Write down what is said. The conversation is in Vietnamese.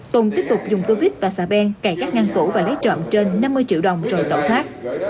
tùng tiếp tục dùng tư viết và xà ben cày các ngăn cổ và lấy trộm trên năm mươi triệu đồng rồi thẩu thoát